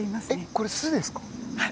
これは巣ですか？